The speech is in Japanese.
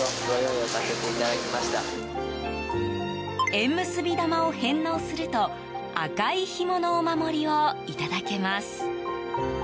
縁結び玉を返納すると赤いひものお守りをいただけます。